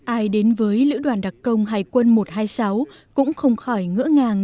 ai đến với lữ đoàn đặc công hải quân một trăm hai mươi sáu cũng không khỏi ngỡ ngàng